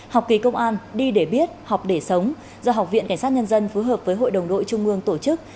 học kỳ công an đi để biết học để sống do học viện cảnh sát nhân dân phối hợp với hội đồng đội trung ương tổ chức